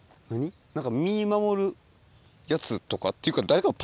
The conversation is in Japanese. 何か実守るやつとかっていうか誰か。